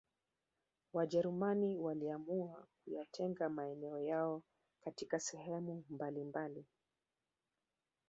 Wajerumani waliamua kuyatenga maeneo yao katika sehemu mbalimabali